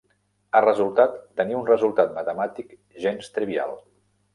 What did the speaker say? Ha resultat tenir un resultat matemàtic gens trivial.